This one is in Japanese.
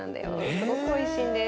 すごくおいしいんです。